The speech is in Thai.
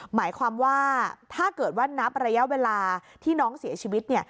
หมายความว่าถ้าเกิดว่านับระยะเวลาที่น้องเสียชีวิตเนี่ย